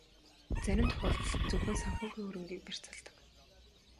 Зарим тохиолдолд зөвхөн санхүүгийн хөрөнгийг барьцаалдаг.